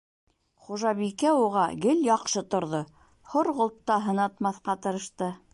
Хужабикә уға гел яҡшы торҙо, Һорғолт та һынатмаҫҡа тырышты.